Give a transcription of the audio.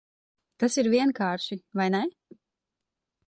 Tas ir vienkārši, vai ne?